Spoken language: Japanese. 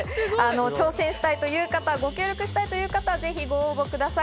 挑戦したいという方、ご協力したいという方はぜひご応募ください。